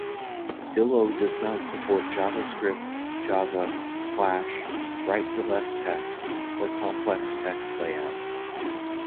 Dillo does not support JavaScript, Java, Flash, right-to-left text, or complex text layout.